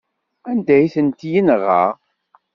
Anda ay tent-yenɣa?